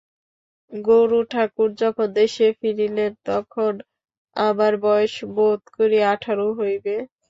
গুরুঠাকুর যখন দেশে ফিরিলেন তখন আমার বয়স বোধ করি আঠারো হইবে।